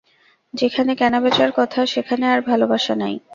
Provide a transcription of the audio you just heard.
যেখানে কেনা-বেচার কথা, সেখানে আর ভালবাসা নাই।